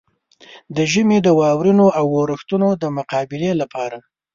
د ژمي د واورينو اورښتونو د مقابلې لپاره.